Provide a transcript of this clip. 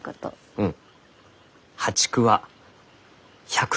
うん。